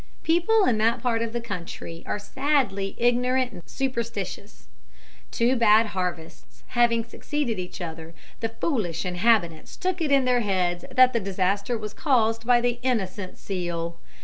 People in that part of the country are sadly ignorant and superstitious. Two bad harvests having succeeded each other, the foolish inhabitants took it into their heads that the disaster was caused by the innocent seal.